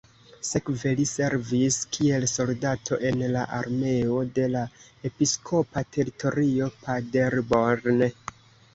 Sekve li servis kiel soldato en la armeo de la episkopa teritorio Paderborn.